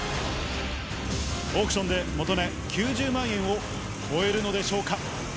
オークションで元値９０万円を超えるのでしょうか。